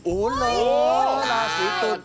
โอ้โฮราศรีตุล